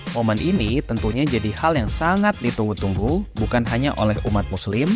momen ini tentunya jadi hal yang sangat ditunggu tunggu bukan hanya oleh umat muslim